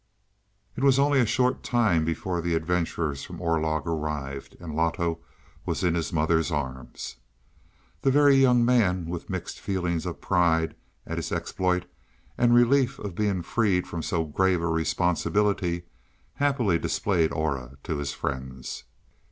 It was only a short time before the adventurers from Orlog arrived, and Loto was in his mother's arms. The Very Young Man, with mixed feelings of pride at his exploit and relief at being freed from so grave a responsibility, happily displayed Aura to his friends.